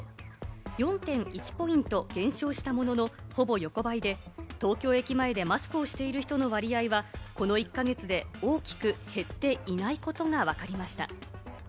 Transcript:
４．１ポイント減少したものの、ほぼ横ばいで、東京駅前でマスクをしている人の割り合いはこの１か月で大きく減っていないことがわかりました。